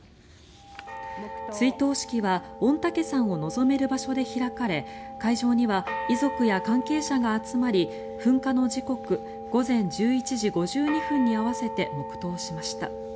追悼式は御嶽山を望める場所で開かれ会場には遺族や関係者が集まり噴火の時刻午前１１時５２分に合わせて黙祷しました。